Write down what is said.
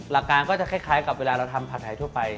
หลักการก็จะคล้ายกับเวลาเราทำผัดไทยทั่วไป